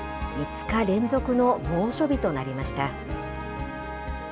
５日連続の猛暑日となりました。